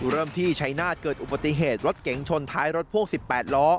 เริ่มที่ชัยนาฏเกิดอุบัติเหตุรถเก๋งชนท้ายรถพ่วง๑๘ล้อ